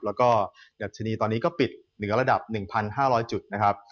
แล้วก็ดัชนีตอนนี้ก็ปิดเหนือระดับ๑๕๐๐จุดนะครับ